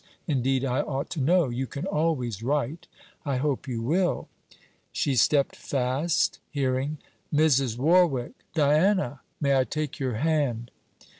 Indeed, I ought to know. You can always write; I hope you will.' She stepped fast, hearing: 'Mrs. Warwick Diana! May I take your hand?'